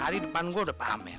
hari depan gue udah pamer